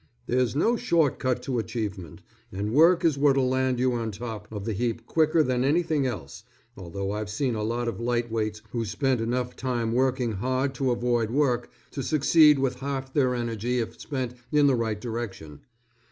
There's no short cut to achievement, and work is what'll land you on the top of the heap quicker than anything else, although I've seen a lot of lightweights who spent enough time working hard to avoid work, to succeed with half their energy if spent in the right direction.